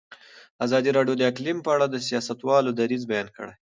ازادي راډیو د اقلیم په اړه د سیاستوالو دریځ بیان کړی.